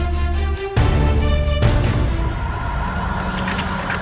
tapi siapa yang te ditunjuk dari instosan